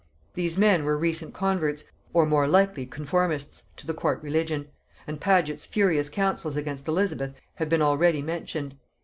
These men were recent converts, or more likely conformists, to the court religion; and Paget's furious councils against Elizabeth have been already mentioned.